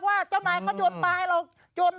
เพราะว่าเจ้านายเขาโยนปลาให้เราโยน